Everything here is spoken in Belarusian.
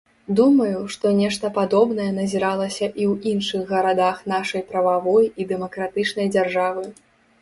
Думаю, што нешта падобнае назіралася і ў іншых гарадах нашай прававой і дэмакратычнай дзяржавы.